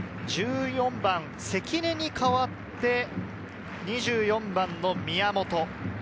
１４番・関根に代わって、２４番の宮本。